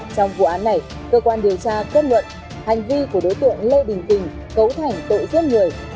trong vụ án này cơ quan điều tra kết luận hành vi của đối tượng lê đình kình cấu thành tội giết người